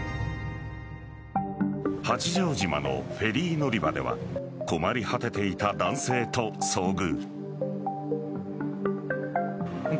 八丈島のフェリー乗り場では困り果てていた男性と遭遇。